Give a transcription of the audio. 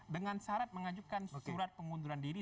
dengan syarat mengajukan surat pengunduran diri